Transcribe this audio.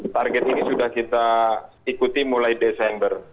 target ini sudah kita ikuti mulai desember